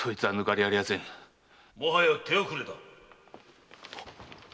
・もはや手遅れだ！